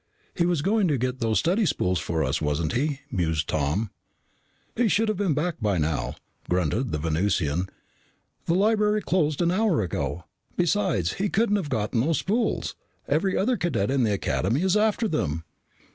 "He was going to get those study spools for us, wasn't he?" mused Tom. "He should've been back by now," grunted the Venusian. "The library closed an hour ago. Besides, he couldn't have gotten those spools. Every other cadet in the Academy is after them."